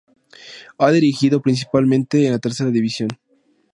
Ha dirigido principalmente en la Tercera División.